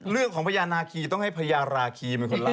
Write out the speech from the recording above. เรื่องของพญานาคีต้องให้พญาราคีเป็นคนเล่า